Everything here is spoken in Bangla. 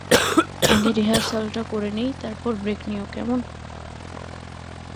আগে রিহার্সালটা করে নিই, তারপর ব্রেক নিও, কেমন?